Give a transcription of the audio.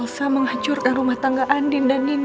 sangat bersalah ya allah